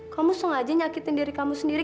kamu sengaja nyakitin diri kamu sendiri